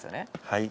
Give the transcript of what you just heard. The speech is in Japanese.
はい。